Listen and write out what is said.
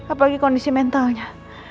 apalagi kondisi mentalnya